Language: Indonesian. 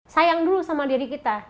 sayang dulu sama diri kita